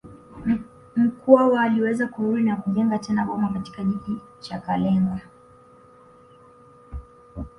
Mkwawa aliweza kurudi na kujenga tena boma katika kijiji cha Kalenga